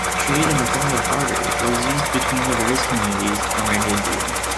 Trade in the form of barter was in use between the various communities Amerindian.